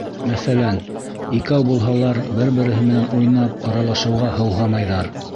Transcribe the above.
Мәҫәлән, икәү булһалар, бер-береһе менән уйнап, аралашыуға һыуһамайҙар.